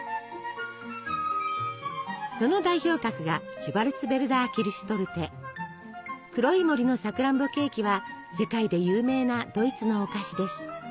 その代表格が「黒い森のさくらんぼケーキ」は世界で有名なドイツのお菓子です。